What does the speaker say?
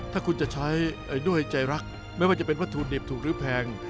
ถ้าคุณจะใช้ด้วยใจรักไม่ว่าจะเป็นวัตถุดิบถูกหรือแพง